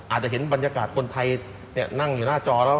อาจจะเห็นบรรยากาศคนไทยนั่งอยู่หน้าจอแล้ว